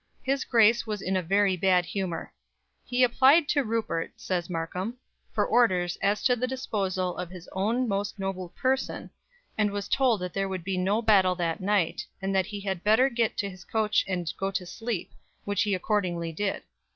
His Grace was in a very bad humour. "He applied to Rupert," says Markham, "for orders as to the disposal of his own most noble person, and was told that there would be no battle that night, and that he had better get into his coach and go to sleep, which he accordingly did."